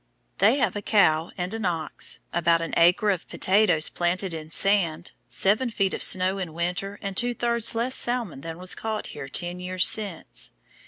They have a cow and an ox, about an acre of potatoes planted in sand, seven feet of snow in winter, and two thirds less salmon than was caught here ten years since.